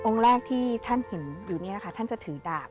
แรกที่ท่านเห็นอยู่นี่นะคะท่านจะถือดาบ